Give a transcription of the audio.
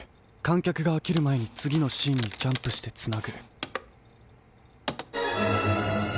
きゃくがあきるまえにつぎのシーンにジャンプしてつなぐ。